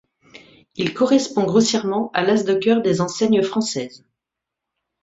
Il correspond grossièrement à l'as de cœur des enseignes françaises.